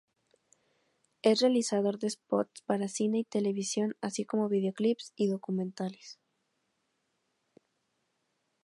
Es realizador de spots para cine y televisión así como de videoclips y documentales.